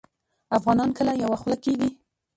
افغانان کله یوه خوله کیږي؟